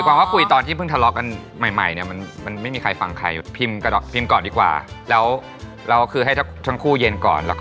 เขาก็คงจะแบบมีอะไรแบบอยากเข้าไปเยอะ